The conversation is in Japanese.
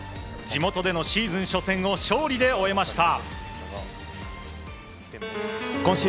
地元でのシーズン初戦を勝利で終えました。